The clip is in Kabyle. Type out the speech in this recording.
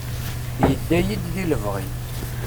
Yedda-yi-d di lebɣi.